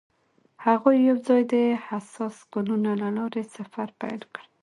هغوی یوځای د حساس ګلونه له لارې سفر پیل کړ.